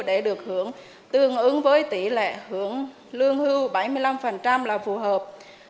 để được hưởng tương ứng với tỷ lệ hưởng lương hưu bảy mươi năm là phù hợp